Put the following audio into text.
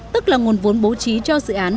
tức là nguồn vốn bố trí cho dự án